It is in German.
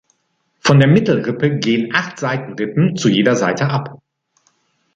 Von der Mittelrippe gehen acht Seitenrippen zu jeder Seite ab.